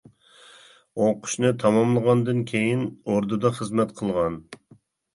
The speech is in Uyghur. ئوقۇشنى تاماملىغاندىن كېيىن ئوردىدا خىزمەت قىلغان.